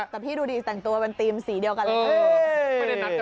แต่พี่ดูดิแต่งตัวเป็นธีมสีเดียวกันเลยค่ะ